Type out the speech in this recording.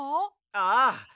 ああ。